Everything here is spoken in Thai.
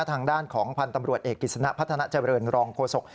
ทางด้านของพันธ์ตำรวจเอกกิจสนะพัฒนาเจริญรองโฆษก